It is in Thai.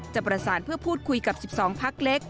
จะประสานเพื่อพูดคุยกับ๑๒พักเล็ก